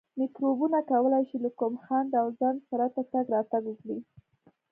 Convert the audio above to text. میکروبونه کولای شي له کوم خنډ او ځنډ پرته تګ راتګ وکړي.